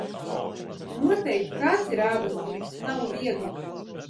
Noteikt, kāds ir ādas tips, nav viegli.